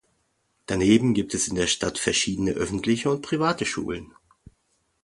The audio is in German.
Daneben gibt es in der Stadt verschiedene öffentliche und private Schulen.